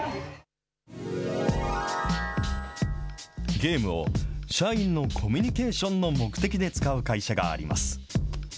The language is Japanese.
ゲームを、社員のコミュニケーションの目的で使う会社があります。